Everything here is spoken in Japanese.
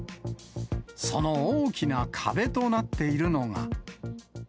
その大きな壁となっているのが。